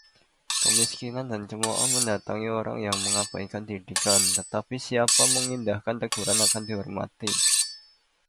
Kemiskinan dan cemooh mendatangi orang yang mengabaikan didikan, tetapi siapa mengindahkan teguran akan dihormati.